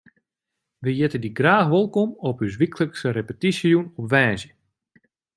Wy hjitte dy graach wolkom op ús wyklikse repetysjejûn op woansdei.